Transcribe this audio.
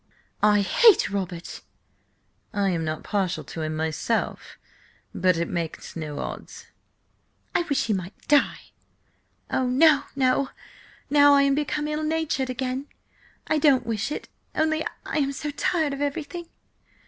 "I hate Robert!" "I am not partial to him myself, but it makes no odds." "I wish he might die!–oh no, no! Now I am become ill natured again–I don't wish it–only I am so tired of everything.